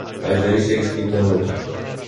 Aș dori să explic un lucru.